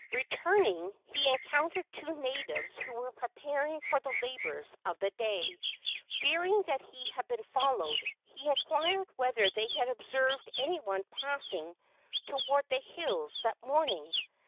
Returning, he encountered two natives who were preparing for the labors of the day. Fearing that he had been followed, he inquired whether they had observed any one passing toward the hills that morning.